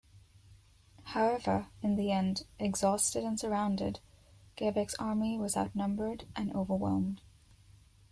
However, in the end, exhausted and surrounded, Gaebaek's army was outnumbered and overwhelmed.